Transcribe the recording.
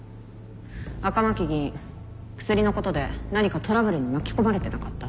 赤巻議員クスリのことで何かトラブルに巻き込まれてなかった？